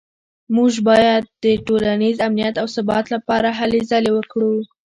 موږ باید د ټولنیز امنیت او ثبات لپاره هلې ځلې وکړو